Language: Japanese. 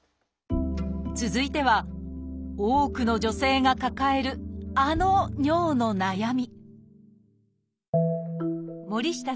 続いては多くの女性が抱えるあの尿の悩み